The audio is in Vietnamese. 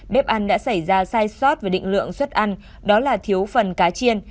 bếp ăn đã xảy ra sai sót về định lượng xuất ăn đó là thiếu phần cá chiên